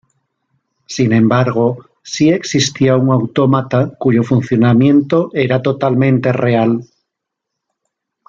Sin embargo, sí existió un autómata cuyo funcionamiento era totalmente real.